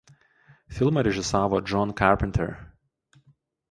Filmą režisavo John Carpenter.